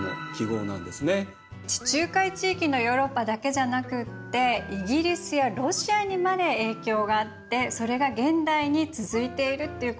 地中海地域のヨーロッパだけじゃなくってイギリスやロシアにまで影響があってそれが現代に続いているっていうことなんですね。